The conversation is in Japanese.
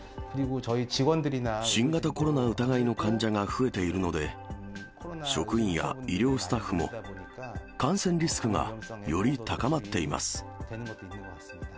新型コロナの疑いの患者が増えているので、職員や医療スタッフも、感染リスクがより高まっています。